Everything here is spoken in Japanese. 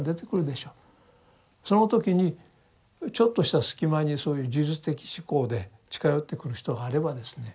その時にちょっとした隙間にそういう呪術的思考で近寄ってくる人があればですね